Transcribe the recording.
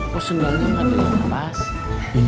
jadi itu lah